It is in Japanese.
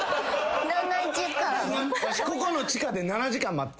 わしここの地下で７時間待ってた。